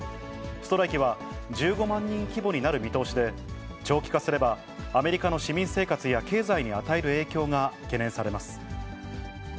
ストライキは１５万人規模になる見通しで、長期化すれば、アメリカの市民生活や経済に与える影響が懸念されます。